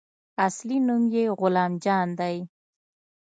اصلي نوم يې غلام جان دى.